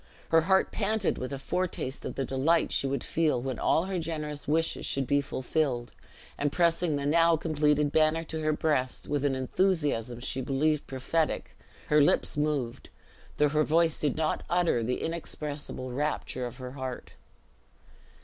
Her heart panted with a foretaste of the delight she would feel when all her generous wishes should be fulfilled; and pressing the now completed banner to her breast, with an enthusiasm she believed prophetic, her lips moved, though her voice did not utter the inexpressible rapture of her heart.